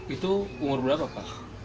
itu umur berapa pak